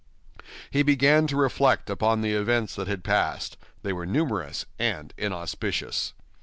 He began to reflect upon the events that had passed; they were numerous and inauspicious.